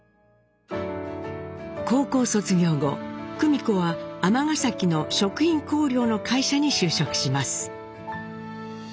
高校卒業後久美子は尼崎の食品香料の会社に就職します。